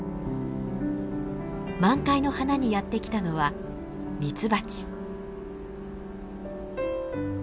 満開の花にやって来たのはミツバチ。